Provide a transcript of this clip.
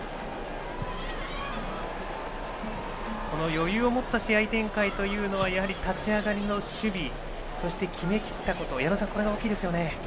余裕を持った試合展開というのはやはり立ち上がりの守備そして、決めきったことが大きいですよね。